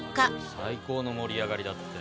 最高の盛り上がりだったよ。